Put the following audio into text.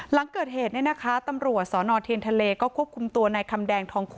หลังเกิดเหตุเนี่ยนะคะตำรวจสนเทียนทะเลก็ควบคุมตัวในคำแดงทองคุ